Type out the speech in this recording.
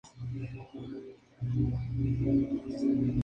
Está situado en la colina de El Ejido, en el distrito Centro.